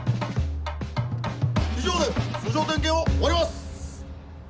以上で通常点検を終わります！